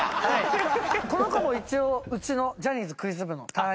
この子も一応うちのジャニーズクイズ部の会員。